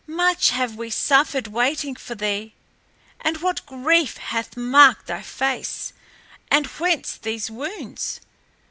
Much have we suffered waiting for thee! And what grief hath marked thy face, and whence these wounds?"